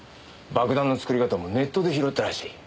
爆弾の作り方もネットで拾ったらしい。